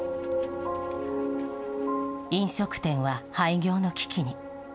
飲食店は廃業の危機に。